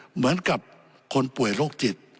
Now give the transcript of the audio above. เหมือนกับคนป่วยโรคจิต